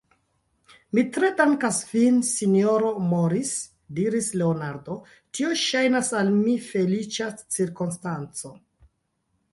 Mi tre dankas vin, sinjoro Norris, diris Leonardo; tio ŝajnas al mi feliĉa cirkonstanco.